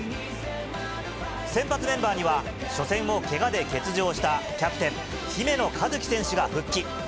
先発メンバーには、初戦をけがで欠場したキャプテン、姫野和樹選手が復帰。